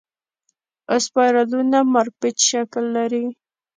اسپایرلونه مارپیچ شکل لري.